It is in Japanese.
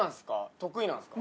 得意なんすか？